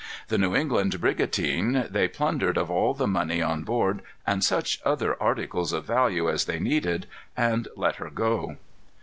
The New England brigantine they plundered of all the money on board and such other articles of value as they needed, and let her go.